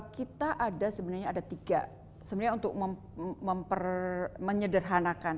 kita ada sebenarnya ada tiga sebenarnya untuk menyederhanakan